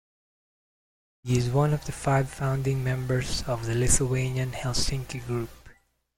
He is one of the five founding members of the Lithuanian Helsinki Group.